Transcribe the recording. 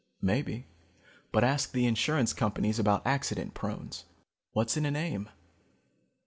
Maybe; but ask the insurance companies about accident prones. What's in a name?